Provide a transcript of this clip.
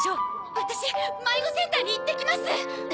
ワタシ迷子センターに行ってきます。